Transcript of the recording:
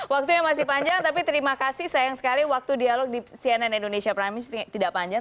waktunya masih panjang tapi terima kasih sayang sekali waktu dialog di cnn indonesia prime news tidak panjang